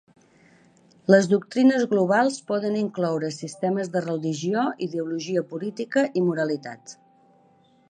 Les doctrines globals poden incloure sistemes de religió, ideologia política i moralitat.